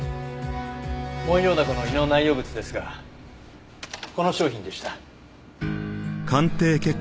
モンヨウダコの胃の内容物ですがこの商品でした。